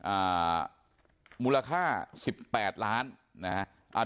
อ่ามูลค่า๑๘ล้านนะครับ